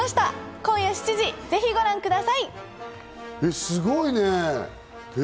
今夜７時、ぜひご覧ください。え！